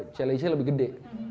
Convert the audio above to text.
challenge nya lebih gede